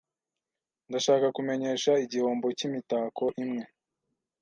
Ndashaka kumenyesha igihombo cyimitako imwe.